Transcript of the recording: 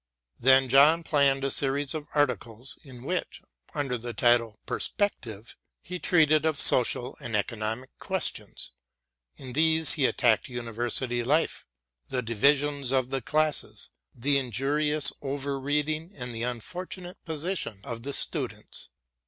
Then John planned a series of articles in which, under the title "Perspective," he treated of social and economic questions. In these he attacked university life, the divisions of the classes, the injurious over reading and the unfortunate position of the students.